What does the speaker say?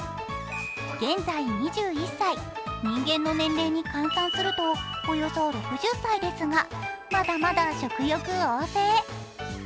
現在２１歳、人間の年齢に換算するとおよそ６０歳ですがまだまだ食欲旺盛。